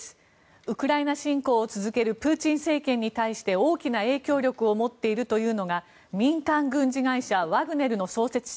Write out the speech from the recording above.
ウクライナ侵攻を続けるプーチン政権に対して大きな影響力を持っているというのが民間軍事会社ワグネルの創設者